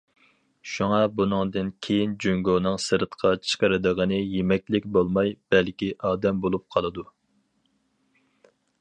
شۇڭا بۇندىن كېيىن جۇڭگونىڭ سىرتقا چىقىرىدىغىنى يېمەكلىك بولماي، بەلكى ئادەم بولۇپ قالىدۇ.